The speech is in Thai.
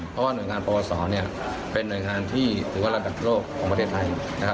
เพราะว่าหน่วยงานปวศเนี่ยเป็นหน่วยงานที่ถือว่าระดับโลกของประเทศไทยนะครับ